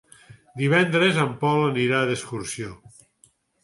Divendres en Pol anirà d'excursió.